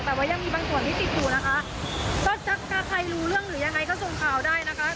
แต่ว่ายังมีบางส่วนที่ติดอยู่นะคะก็ถ้าใครรู้เรื่องหรือยังไงก็ส่งข่าวได้นะคะ